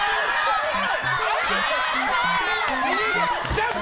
ジャンプ！